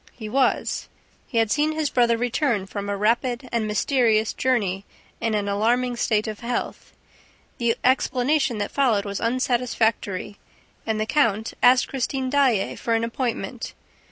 He was. He had seen his brother return from a rapid and mysterious journey in an alarming state of health. The explanation that followed was unsatisfactory and the count asked Christine Daae for an appointment.